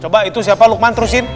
coba itu siapa lukman terusin